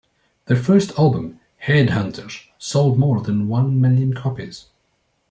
Their first album, "Head Hunters", sold more than one million copies.